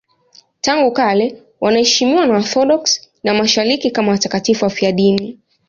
Tangu kale wanaheshimiwa na Waorthodoksi wa Mashariki kama watakatifu wafiadini.